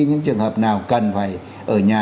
những trường hợp nào cần phải ở nhà